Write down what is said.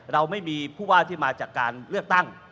เราไม่มีผู้ว่าที่มาจากการเลือกตั้ง